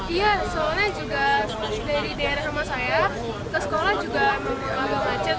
iya soalnya juga dari daerah rumah saya ke sekolah juga agak macet